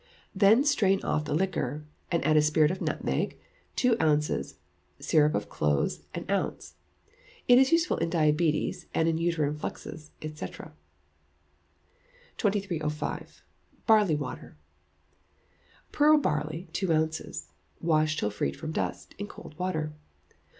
Then strain off the liquor, and add spirit of nutmeg, two ounces; syrup of cloves, an ounce. It is useful in diabetes, and in uterine fluxes, &c. 2305. Barley Water. Pearl barley, two ounces; wash till freed from dust, in cold water.